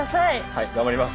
はい頑張ります。